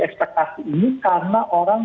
ekspektasi ini karena orang